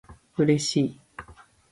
嬉しい